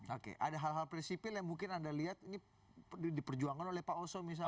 oke ada hal hal prinsipil yang mungkin anda lihat ini diperjuangkan oleh pak oso misalnya